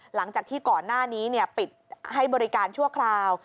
หลังจากที่ก่อนหน้านี้ปิดให้บริการชั่วคราว